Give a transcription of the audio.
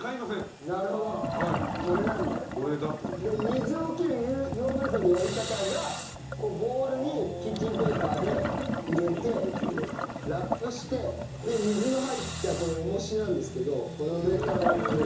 水を切るヨーグルトのやり方がボウルにキッチンペーパーで入れてラップして水の入ったこれ重しなんですけどこれを上から置く。